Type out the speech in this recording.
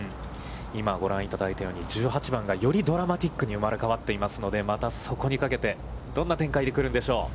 今、ご覧いただいたように、１８番がよりドラマティックに生まれ変わってますので、また、そこにかけて、どんな展開で来るんでしょう。